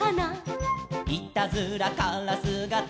「いたずらからすがとったかな」